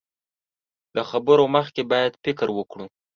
له خبرو مخکې بايد فکر وکړو.